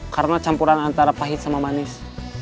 karena campuran antara pahit sama manis